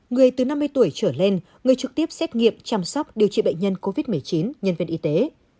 người từ năm mươi tuổi trở lên người trực tiếp xét nghiệm chăm sóc điều trị bệnh nhân covid một mươi chín nhân viên y tế